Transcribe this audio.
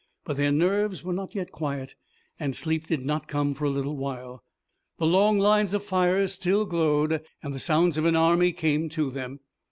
But their nerves were not yet quiet, and sleep did not come for a little while. The long lines of fires still glowed, and the sounds of an army came to them.